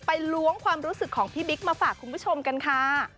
ล้วงความรู้สึกของพี่บิ๊กมาฝากคุณผู้ชมกันค่ะ